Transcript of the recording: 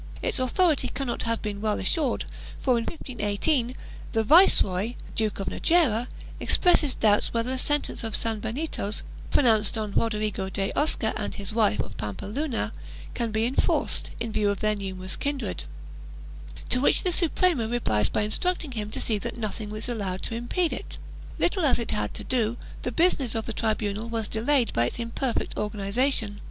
Its authority cannot have been well assured for, in 1518, the Viceroy, Duke of Najera, expresses doubts whether a sentence of sanbenitos, pronounced on Rodrigo de Osca and his wife, of Pampeluna, can be enforced, in view of their numerous kindred, to which the Suprema replies by instruct ing him to see that nothing is allowed to impede it. Little as it had to do, the business of the tribunal was delayed by its imperfect organization.